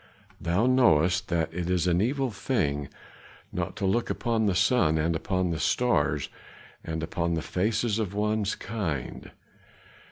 Thou knowest that it is an evil thing not to look upon the sun, and upon the stars, and upon the faces of one's kind."